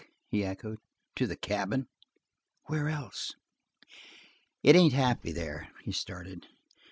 he echoed. "To the cabin?" "Where else?" "It ain't happy there." He started.